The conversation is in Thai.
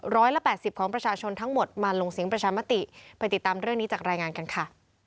ร้อยละแปดสิบของประชาชนทั้งหมดมาลงเสียงประชามติไปติดตามเรื่องนี้จากรายงานกันค่ะ